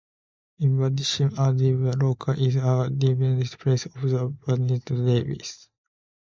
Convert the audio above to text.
In Buddhism, a deva loka is a dwelling place of the Buddhist devas.